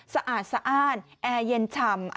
สะอาดสะอ้านแอร์เย็นฉ่ำ